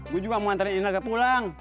gue juga mau nganterin ineku pulang